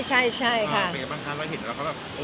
ใช่ค่ะ